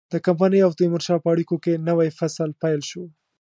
د کمپنۍ او تیمورشاه په اړیکو کې نوی فصل پیل شو.